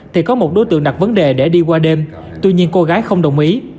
thì có một đối tượng đặt vấn đề để đi qua đêm tuy nhiên cô gái không đồng ý